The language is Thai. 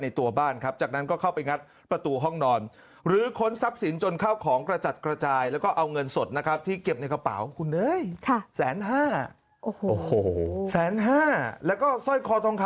ให้บ้านก็ไม่ปลอดภัย